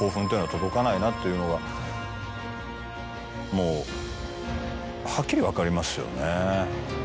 というのがもうはっきり分かりますよね。